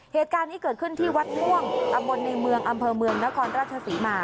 เหตุการณ์นี้เกิดขึ้นที่วัดม่วงตำบลในเมืองอำเภอเมืองนครราชศรีมา